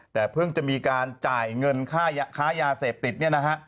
แต่เพิ่งจะมีการจ่ายเงินค่ายาเสพติดเนี่ยนะฮะ